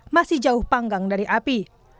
masih jauh panggang dari api